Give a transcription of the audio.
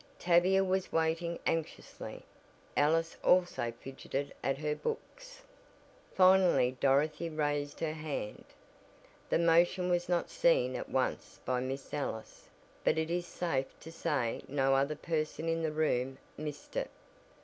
Tavia was waiting anxiously. Alice also fidgeted at her books. Finally Dorothy raised her hand. The motion was not seen at once by Miss Ellis, but it is safe to say no other person in the room missed it.